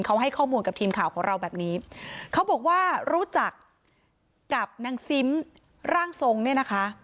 เขาให้ข้อมูลกับทีมข่าวของเราแบบนี้เขาบอกว่ารู้จักกับนางซิมร่างทรงเนี่ยนะคะ